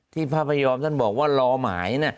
พระพยอมท่านบอกว่ารอหมาย